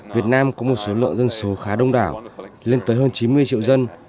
việt nam có một số lượng dân số khá đông đảo lên tới hơn chín mươi triệu dân